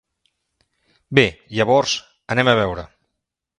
Bé, llavors, anem a veure.